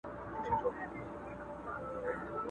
چي زوړ یار مي له اغیار سره خمسور سو!